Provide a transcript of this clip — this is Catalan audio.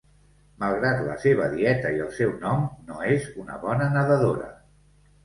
Malgrat la seva dieta i el seu nom, no és una bona nedadora.